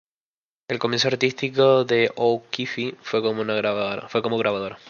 El comienzo artístico de O'Keeffe fue como grabadora.